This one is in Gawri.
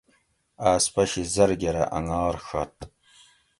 آۤس پشی زرگرہ انگار ڛت